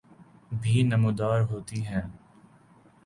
بھی نمودار ہوتی ہیں